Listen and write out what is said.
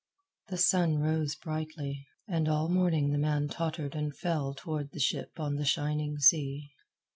The sun rose brightly, and all morning the man tottered and fell toward the ship on the shining sea.